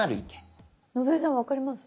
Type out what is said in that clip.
野添さん分かります？